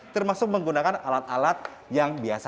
termasuk menggunakan alat alat yang biasa